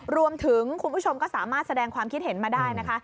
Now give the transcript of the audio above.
คุณผู้ชมก็สามารถแสดงความคิดเห็นมาได้นะคะ